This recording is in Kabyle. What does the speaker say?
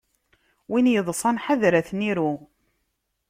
Win iḍṣan, ḥadeṛ ad ten-iru.